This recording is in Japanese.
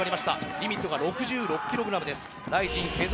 リミットが６６ｋｇ。